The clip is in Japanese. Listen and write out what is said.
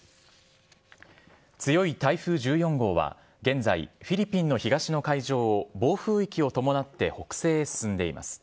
強い台風１４号は現在、フィリピンの東の海上を暴風域を伴って北西へ進んでいます。